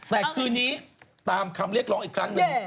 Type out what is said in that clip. แต่คืนนี้ตามคำเรียกร้องอีกครั้งหนึ่ง